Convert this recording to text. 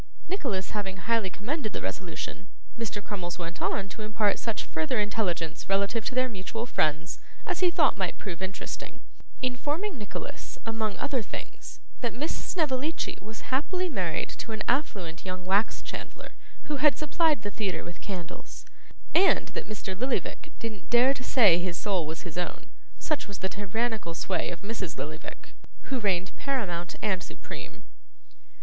Nicholas, having highly commended the resolution, Mr. Crummles went on to impart such further intelligence relative to their mutual friends as he thought might prove interesting; informing Nicholas, among other things, that Miss Snevellicci was happily married to an affluent young wax chandler who had supplied the theatre with candles, and that Mr. Lillyvick didn't dare to say his soul was his own, such was the tyrannical sway of Mrs Lillyvick, who reigned paramount and supreme.